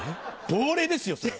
亡霊ですよそれは。